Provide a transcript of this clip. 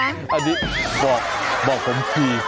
อันนี้บอกผมที